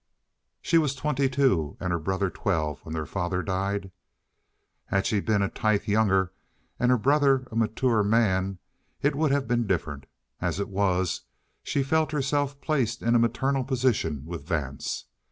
She was twenty two and her brother twelve when their father died. Had she been a tithe younger and her brother a mature man, it would have been different. As it was, she felt herself placed in a maternal position with Vance.